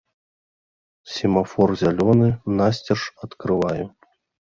Семафор зялёны насцеж адкрываю.